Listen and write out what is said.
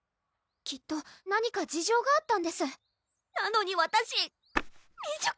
きっと何か事情があったんですなのにわたし未熟！